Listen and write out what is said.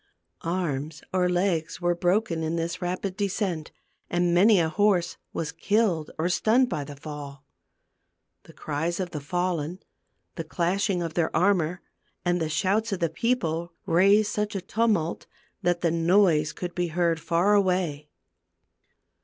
Arms or legs were broken in this rapid descent, and many a horse was killed or stunned by the fall. The cries of the fallen, the clashing of their armor, and the shouts of the people, raised such a tumult that the noise could be heard far away.